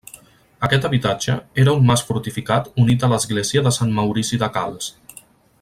Aquest habitatge era un mas fortificat unit a l'església de Sant Maurici de Calç.